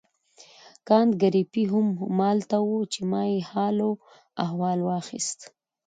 کانت ګریفي هم همالته وو چې ما یې حال و احوال واخیست.